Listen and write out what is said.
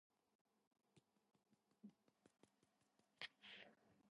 Its eastern border is defined by the Ural Mountains and the border with Kazakhstan.